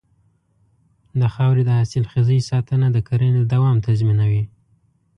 د خاورې د حاصلخېزۍ ساتنه د کرنې دوام تضمینوي.